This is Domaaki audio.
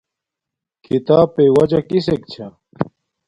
کھیتاپݵ وجہ کسک چھا